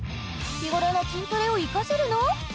日頃の筋トレを生かせるの？